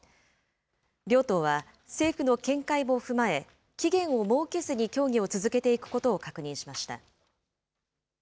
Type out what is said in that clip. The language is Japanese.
両党は、政府の見解も踏まえ、期限を設けずに協議を続けていくことを確認しました。